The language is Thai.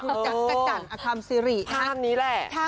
คุณจอกกะจั่นอะคลามซีรีส์